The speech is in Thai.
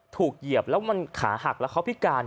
เหยียบแล้วมันขาหักแล้วเขาพิการ